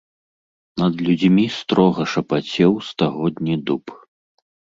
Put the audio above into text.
Над людзьмі строга шапацеў стагодні дуб.